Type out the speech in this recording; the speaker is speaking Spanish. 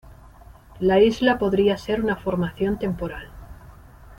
La isla podría ser una formación temporal.